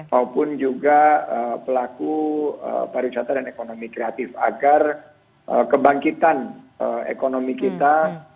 maupun juga pelaku pariwisata dan ekonomi kreatif agar kebangkitan ekonomi kita